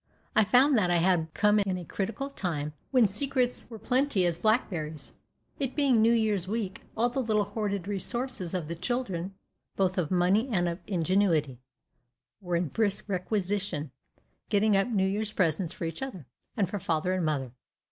I found that I had come in a critical time, when secrets were plenty as blackberries. It being New Year's week, all the little hoarded resources of the children, both of money and of ingenuity, were in brisk requisition, getting up New Year's presents for each other, and for father and mother.